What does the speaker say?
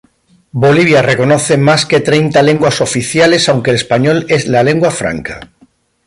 Bolivia reconoce más que treinta lenguas oficiales, aunque el español es la lengua franca.